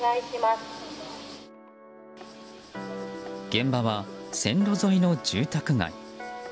現場は線路沿いの住宅街。